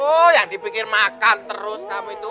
oh yang dipikir makan terus kamu itu